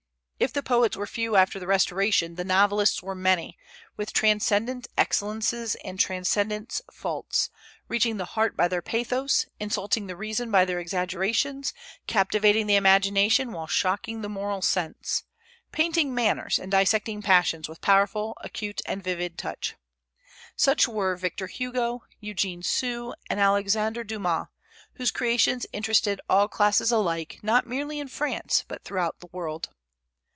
If the poets were few after the Restoration, the novelists were many, with transcendent excellences and transcendent faults, reaching the heart by their pathos, insulting the reason by their exaggerations, captivating the imagination while shocking the moral sense; painting manners and dissecting passions with powerful, acute, and vivid touch. Such were Victor Hugo, Eugene Sue, and Alexandre Dumas, whose creations interested all classes alike, not merely in France, but throughout the world.